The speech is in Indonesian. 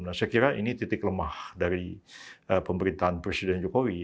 nah saya kira ini titik lemah dari pemerintahan presiden jokowi